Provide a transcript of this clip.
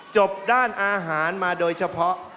จบด้านอาหารมาโดยเฉพาะ